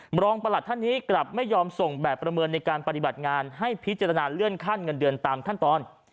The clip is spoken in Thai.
รองประหลัดท่านนี้กลับไม่ยอมส่งแบบประเมินในการปฏิบัติงานให้พิจารณาเลื่อนขั้นเงินเดือนตามขั้นตอน